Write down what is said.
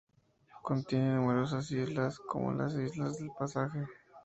Contiene numerosas islas, como las Islas del Pasaje.